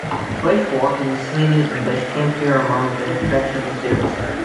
Bushwalking, swimming and bush camping are among the attractions of this area.